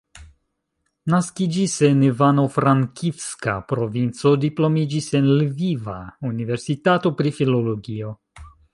Naskiĝis en Ivano-Frankivska provinco, diplomiĝis en Lviva Universitato pri filologio.